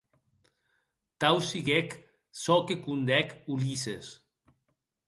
Tau siguec çò que condèc Ulisses.